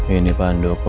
ini pak handoko